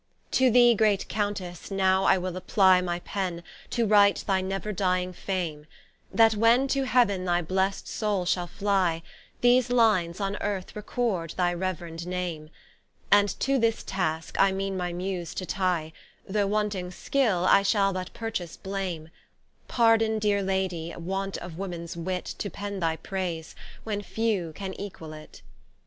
¶ To thee great Countesse now I will applie My Pen, to write thy never dying fame; That when to Heav'n thy blessed Soul shall flie, These lines on earth record thy reverend name: And to this taske I meane my Muse to tie, Though wanting skill I shall but purchase blame: Pardon (deere Ladie) want of womens wit To pen thy praise, when few can equall it.